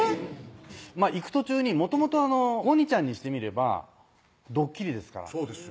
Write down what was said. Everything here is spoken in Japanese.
行く途中にもともとゴニちゃんにしてみればドッキリですからそうですよ